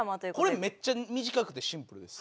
これめっちゃ短くてシンプルです。